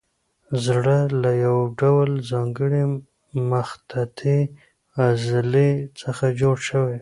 زړه له یو ډول ځانګړې مخططې عضلې څخه جوړ شوی.